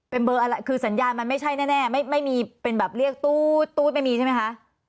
เป็นเบอร์อะไรคือสัญญาณมันไม่ใช่แน่ไม่มีเป็นแบบเรียกตู๊ดไม่มีใช่ไหมคะ